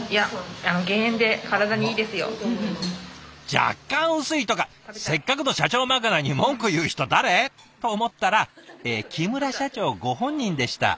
「若干薄い」とかせっかくの社長まかないに文句言う人誰？と思ったら木村社長ご本人でした。